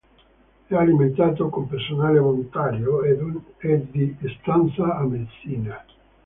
È alimentato con personale volontario, ed è di stanza a Messina.